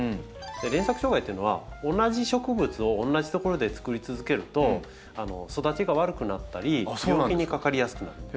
連作障害っていうのは同じ植物を同じ所でつくり続けると育ちが悪くなったり病気にかかりやすくなるんです。